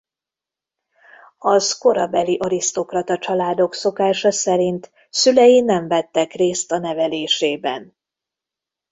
Az korabeli arisztokrata családok szokása szerint szülei nem vettek részt a nevelésében.